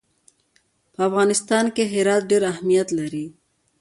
په افغانستان کې هرات ډېر اهمیت لري.